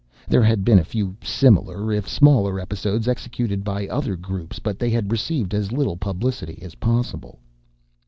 There had been a few similar, if smaller, episodes, executed by other groups, but they had received as little publicity as possible.